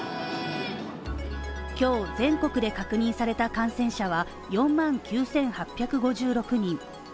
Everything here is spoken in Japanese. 今日、全国で確認された感染者は４万９８５６人。